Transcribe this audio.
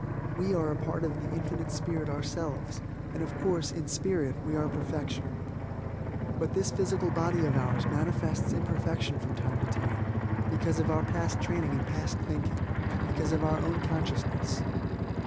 We are a part of the Infinite Spirit ourselves and, of course, in spirit, we are perfection. But this physical body of ours manifests imperfection from time to time, because of our past training and past thinking, because of our own consciousness.